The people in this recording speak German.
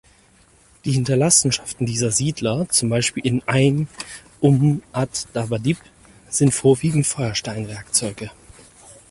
Die Hinterlassenschaften dieser Siedler, zum Beispiel in ʿAin Umm ad-Dabadib, sind vorwiegend Feuersteinwerkzeuge.